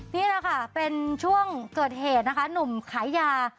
นี่แหละค่ะเป็นช่วงเกิดเหตุนะคะหนุ่มขายยา